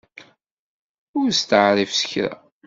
Ur steεrif s kra!